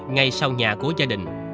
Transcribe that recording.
ngay sau nhà của gia đình